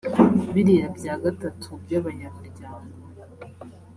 bibiri bya gatatu by’ abanyamuryango